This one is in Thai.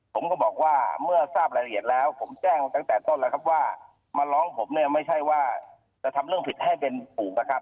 ผมก็บอกว่าเมื่อทราบรายละเอียดแล้วผมแจ้งตั้งแต่ต้นแล้วครับว่ามาร้องผมเนี่ยไม่ใช่ว่าจะทำเรื่องผิดให้เป็นถูกนะครับ